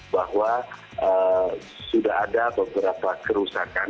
bahwa sudah ada beberapa kerusakan